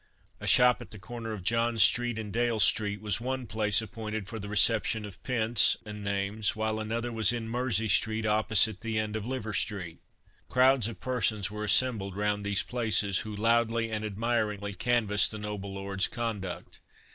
A shop at the corner of John street and Dale street, was one place appointed for the reception of pence and names, while another was in Mersey street opposite the end of Liver street. Crowds of persons were assembled round these places who loudly and admiringly canvassed the noble lord's conduct.